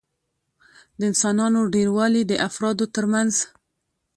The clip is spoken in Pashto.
د انسانانو ډېروالي د افرادو ترمنځ